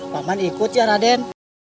pak mak ikut ya raden